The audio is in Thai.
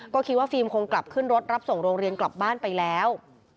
ก็คิดว่าฟิล์มคงกลับขึ้นรถรับส่งโรงเรียนกลับบ้านไปแล้ว